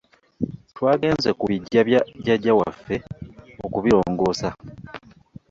Twagenze ku biggya bya jajja waffe okubirongosa.